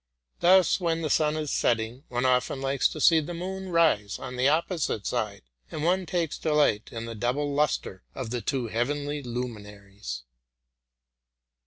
Thus, when the sun is setting, one often likes to see the moon rise on the opposite side, and takes delight in the double lustre of the two heavenly luminaries.